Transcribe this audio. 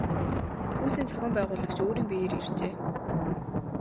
Пүүсийн зохион байгуулагч өөрийн биеэр иржээ.